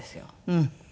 うん。